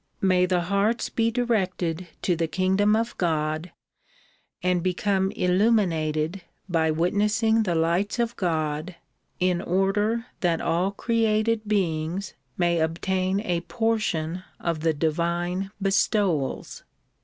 May the hearts be directed to the kingdom of God and become illuminated by witnessing the lights of God in order that all created beings may obtain a portion of the divine bestowals.